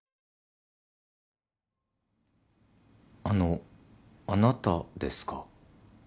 あのあなたですか？